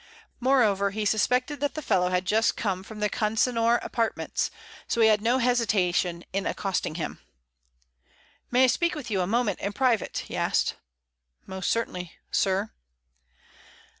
Moreover, he suspected that the fellow had just come from the Consinor apartments; so he had no hesitation in accosting him. "May I speak with you a moment in private?" he asked. "Most certainly, sir."